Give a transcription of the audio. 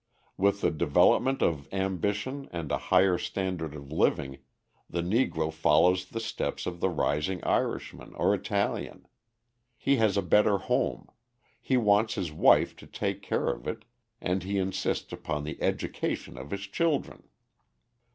With the development of ambition and a higher standard of living, the Negro follows the steps of the rising Irishman or Italian: he has a better home, he wants his wife to take care of it, and he insists upon the education of his children.